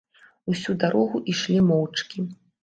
Усю дарогу ішлі моўчкі.